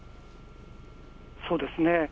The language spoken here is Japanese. そうですね。